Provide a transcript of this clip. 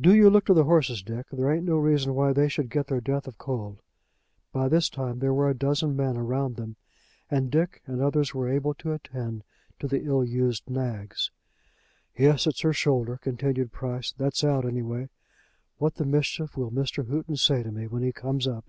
"Do you look to the horses, Dick. There ain't no reason why they should get their death of cold." By this time there were a dozen men round them, and Dick and others were able to attend to the ill used nags. "Yes; it's her shoulder," continued Price. "That's out, any way. What the mischief will Mr. Houghton say to me when he comes up!"